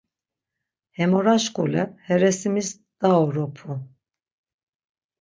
Hemoraşkule he resimis daoropu.